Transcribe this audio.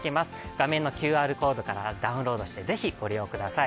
画面のＱＲコードからダウンロードしてぜひご利用ください。